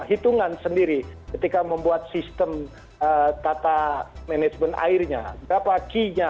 hitungan sendiri ketika membuat sistem tata manajemen airnya berapa key nya